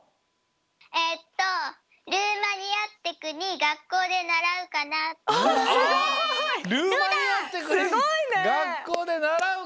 えっと「ルーマニアってくにがっこうでならうかな」！